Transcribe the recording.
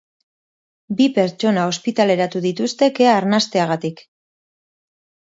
Bi pertsona ospitaleratu dituzte kea arnasteagatik.